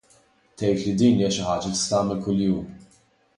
Tgħid li din hi xi ħaġa li tista' tagħmel kuljum.